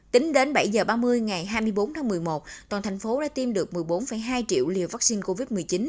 tính đến bảy h ba mươi ngày hai mươi bốn tháng một mươi một toàn thành phố đã tiêm được một mươi bốn hai triệu liều vaccine covid một mươi chín